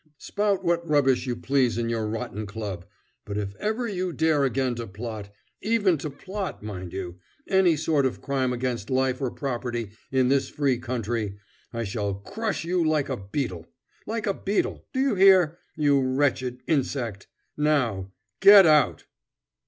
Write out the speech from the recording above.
"Spout what rubbish you please in your rotten club, but if ever you dare again to plot even to plot, mind you any sort of crime against life or property in this free country, I shall crush you like a beetle like a beetle, do you hear, you wretched insect! Now, get out!"